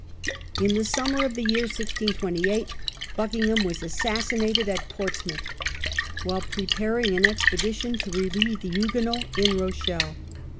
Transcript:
In the summer of the year 1628 Buckingham was as sassinated at Portsmouth while preparing an expedition to relieve the Huguenots in Rochelle.